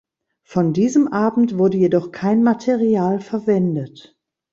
Von diesem Abend wurde jedoch kein Material verwendet.